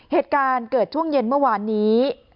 เหตุการณ์เกิดช่วงเย็นเมื่อวานนี้